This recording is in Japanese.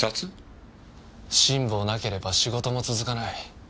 辛抱なければ仕事も続かない。